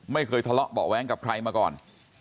ไม่เคยทะเลาะเบาะแว้งกับใครมาก่อน